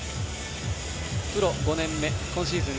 プロ５年目、今シーズン